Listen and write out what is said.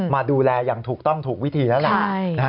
มาดูแลอย่างถูกต้องถูกวิธีแล้วล่ะ